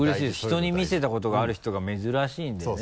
人に見せたことがある人が珍しいんでね。